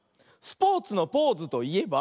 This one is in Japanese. スポーツのポーズといえば？